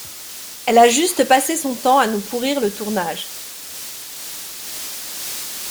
Elle a juste passé son temps à nous pourrir le tournage.